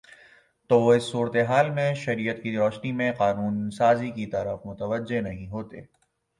تو وہ اس صورتِ حال میں شریعت کی روشنی میں قانون سازی کی طرف متوجہ نہیں ہوتے